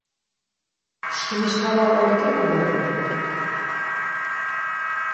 Şǩimi şǩala ort̆i ubağun.